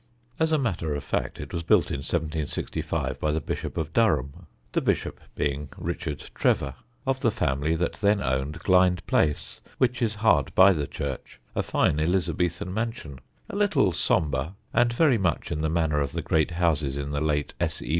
As a matter of fact it was built in 1765 by the Bishop of Durham the Bishop being Richard Trevor, of the family that then owned Glynde Place; which is hard by the church, a fine Elizabethan mansion, a little sombre, and very much in the manner of the great houses in the late S. E.